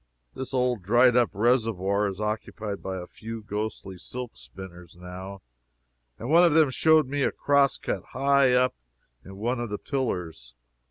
This old dried up reservoir is occupied by a few ghostly silk spinners now, and one of them showed me a cross cut high up in one of the pillars.